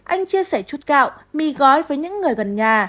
anh chia sẻ chút gạo mì gói với những người gần nhà